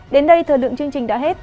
đến đây thờ lượng chương trình đã hết